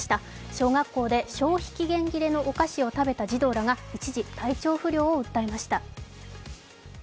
小学校で消費期限切れのお菓子を食べた児童らが一時、体調不良を訴えました。